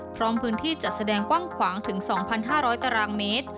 พร้อมพื้นที่จัดแสดงกว้างขวางถึง๒๕๐๐ตารางเมตร